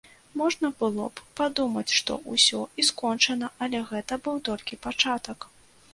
Можна было б падумаць, што ўсё і скончана, але гэта быў толькі пачатак.